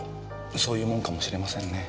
そういうもんかもしれませんね。